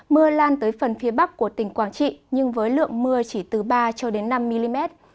mưa lan tới phần phía bắc của tỉnh quảng trị nhưng với lượng mưa chỉ từ ba cho đến năm mm